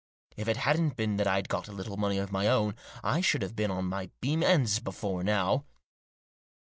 If it hadn't been that I'd got a little money of my own, I should have been on my beam ends before now."